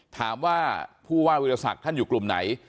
ถามว่าผู้ว่าวิทยาศักดิ์ท่านอยู่กลุ่มไหน